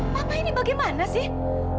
mas aku papa ini bagaimana sih